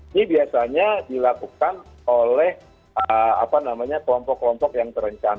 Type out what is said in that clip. ini biasanya dilakukan oleh kelompok kelompok yang terencana